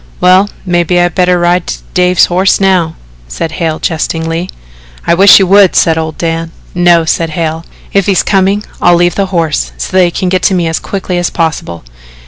"Well, maybe I'd better ride Dave's horse now," said Hale jestingly. "I wish you would," said old Dan. "No," said Hale, "if he's coming, I'll leave the horse so that he can get to me as quickly as possible.